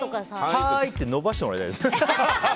はーいって伸ばしてもらいたいです。